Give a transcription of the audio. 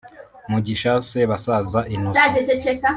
Mugisha Sebasaza Innocent